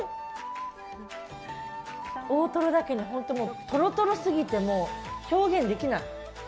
大トロだけに、トロトロすぎて表現できない。